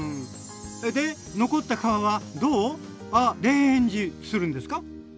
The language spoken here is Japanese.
で残った皮はどうアレーンジするんですか？